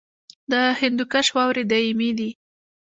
د هندوکش واورې دایمي دي